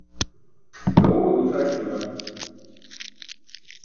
Gaẏuwe gucʰars juwan.